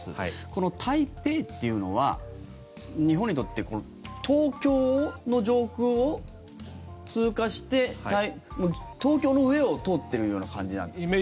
この台北というのは日本にとって東京の上空を通過して東京の上を通っているような感じなんですか？